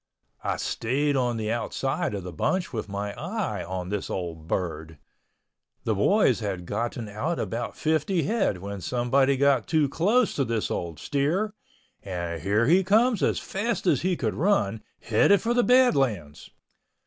I stayed on the outside of the bunch with my eye on this old bird. The boys had gotten out about 50 head when someone got too close to this old steer, and here he comes as fast as he could run, headed for the Badlands!